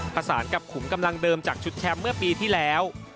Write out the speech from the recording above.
ผสานกับขุมกำลังเดิมจากชุดแชมป์เมื่อปีที่แล้ว